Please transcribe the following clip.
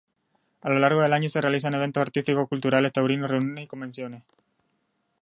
A lo largo del año, se realizan eventos artísticos, culturales, taurinos, reuniones y convenciones.